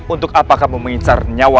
untuk apa kamu mengincar nyawaran